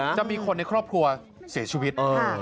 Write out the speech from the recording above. จะมีคนในครอบครัวเสียชีวิต